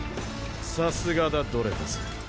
さすがだドレファス。